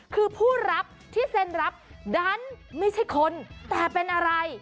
คือผู้รับที่เซ็นรับดันไม่ใช่คนแต่เป็นอะไร